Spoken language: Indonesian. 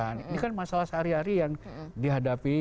ini kan masalah sehari hari yang dihadapi